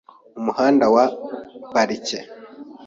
Umuhanda wa Parike .